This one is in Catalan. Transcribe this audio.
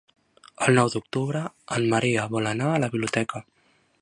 El nou d'octubre en Maria vol anar a la biblioteca.